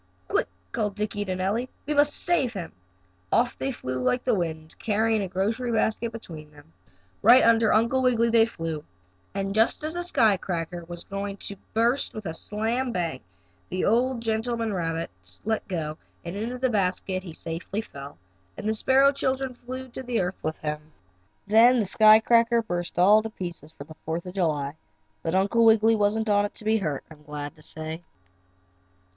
"Quick," called Dickie to Nellie. "We must save him." Off they flew like the wind, carrying a grocery basket between them. Right under Uncle Wiggily they flew, and just as the sky cracker was going to burst with a "slam bang!" the old gentleman rabbit let go, and into the basket he safely fell and the sparrow children flew to earth with him. Then the sky cracker burst all to pieces for Fourth of July, but Uncle Wiggily wasn't on it to be hurt, I'm glad to say.